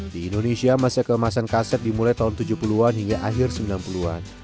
di indonesia masa keemasan kaset dimulai tahun tujuh puluh an hingga akhir sembilan puluh an